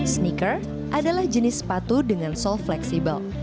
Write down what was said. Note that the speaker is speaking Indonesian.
sneaker adalah jenis sepatu dengan soft fleksibel